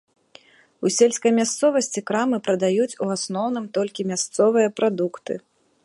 У сельскай мясцовасці крамы прадаюць у асноўным толькі мясцовыя прадукты.